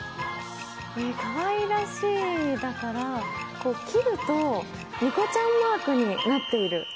かわいらしいだから、こう、切ると、にこちゃんマークになっている。